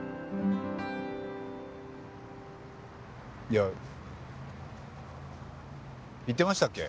いや言ってましたっけ？